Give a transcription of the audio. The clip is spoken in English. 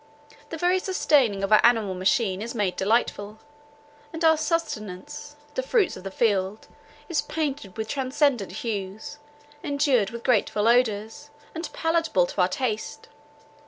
The very sustaining of our animal machine is made delightful; and our sustenance, the fruits of the field, is painted with transcendant hues, endued with grateful odours, and palatable to our taste.